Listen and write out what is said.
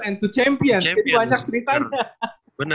and to champions jadi banyak ceritanya